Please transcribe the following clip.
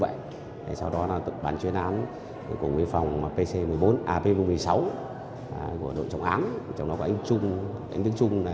vậy sau đó là tự bắn chuyến án cùng với phòng pc một mươi sáu của đội trọng án trong đó có anh tức trung là